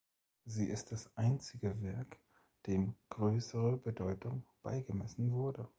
Sie ist das einzige Werk, dem größere Bedeutung beigemessen wurde.